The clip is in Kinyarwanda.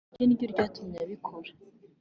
Ijambo rye niryo ryatumye abikora.